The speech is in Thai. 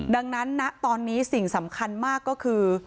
ดังนั้นณตอนนี้สิ่งสำคัญมากก็คือ